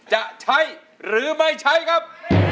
จะใช้หรือไม่ใช้ครับ